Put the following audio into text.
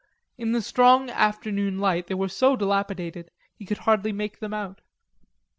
In the strong afternoon light they were so dilapidated he could hardly make them out.